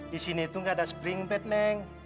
di sini tuh enggak ada spring bed neng